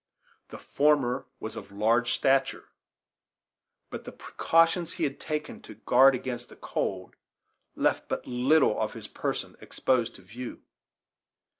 The former was of a large stature; but the precautions he had taken to guard against the cold left but little of his person exposed to view.